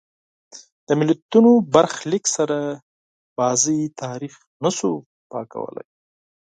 د ملتونو برخلیک سره لوبې تاریخ نه شو پاکولای.